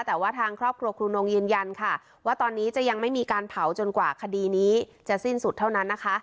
แต่ว่าทางครอบครัวครูนงยืนยันค่ะว่าตอนนี้จะยังไม่มีการเผาจนกว่าคดีนี้จะสิ้นสุดเท่านั้นนะคะ